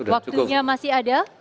waktunya masih ada